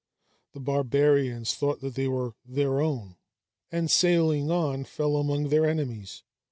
The barbarians thought that they were their own, and sailing on, fell among their enemies.